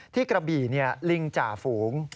กระบี่ลิงจ่าฝูง